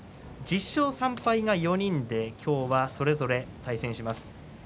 １０勝３敗が４人で今日は、それぞれ対戦します。